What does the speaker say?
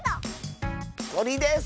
とりです！